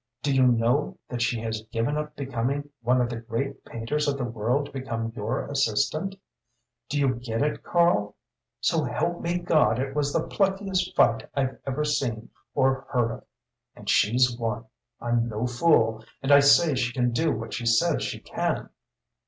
Do you know that she has given up becoming one of the great painters of the world to become your assistant? Do you get it, Karl? So help me God it was the pluckiest fight I've ever seen or heard of. And she's won! I'm no fool and I say she can do what she says she can.